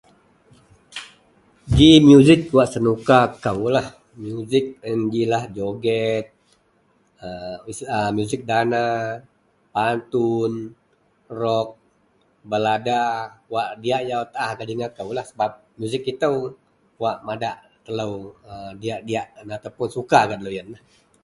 Ji muzik wak senuka koulah muzik yen jilah joget ..aaa.. muzik dana, pantun, rok, balada wak diyak yau taah gak linga koulah sebab muzik itou wak madak telou .. aaa.. diyak-diyak ataupun suka gak deloyenlah.